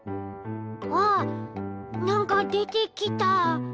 わっなんかでてきた！